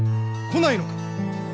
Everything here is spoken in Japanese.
来ないのか？